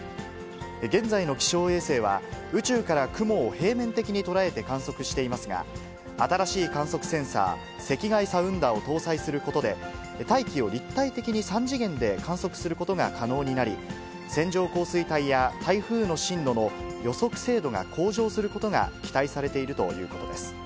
現在の気象衛星は、宇宙から雲を平面的に捉えて観測していますが、新しい観測センサー、赤外サウンダを搭載することで、大気を立体的に３次元で観測することが可能になり、線状降水帯や台風の進路の予測精度が向上することが期待されているということです。